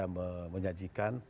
bagaimana dia menyajikan